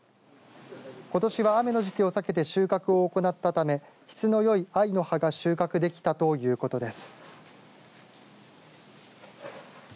ことしは雨の時期を避けて収穫を行ったため質のよい藍の葉が収穫できたということです。